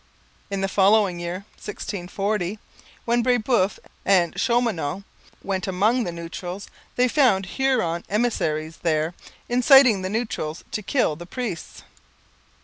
In the following year (1640), when Brebeuf and Chaumonot went among the Neutrals, they found Huron emissaries there inciting the Neutrals to kill the priests.